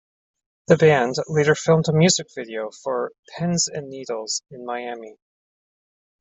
The band later filmed a music video for "Pens and Needles" in Miami.